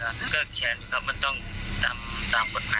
สำคัญนี่นะครับก็แค่นี้ครับมันต้องจำตามคนใหม่